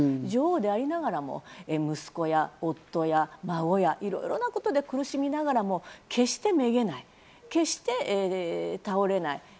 女王でありながらも息子や夫や孫や、いろいろなことで苦しみながらも決してめげない、決して倒れない。